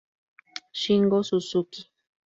Shingo Suzuki